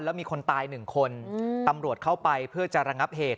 แล้วมีคนตายหนึ่งคนตำรวจเข้าไปเพื่อจะระงับเหตุ